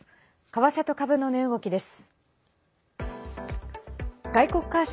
為替と株の値動きです。